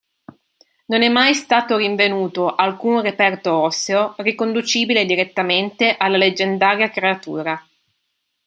Non è mai stato rinvenuto alcun reperto osseo riconducibile direttamente alla leggendaria creatura.